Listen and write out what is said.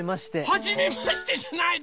はじめましてじゃないでしょ！